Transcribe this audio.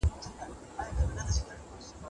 په وروسته پاته هېوادونو کي اقتصادي وده ورو وي.